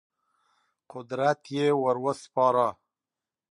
قدرت یې ور وسپاره.